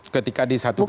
ketika di satu pintu